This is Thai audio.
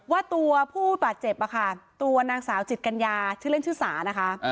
ว่าตัวผู้บาดเจ็บตัวนางสาวจิตกัญญาชื่อเล่นชื่อสานะคะ